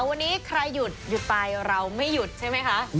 วันนี้ใครหยุดหยุดไปเราไม่หยุดใช่ไหมคะ